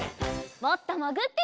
もっともぐってみよう。